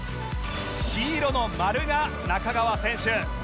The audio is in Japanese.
黄色の丸が仲川選手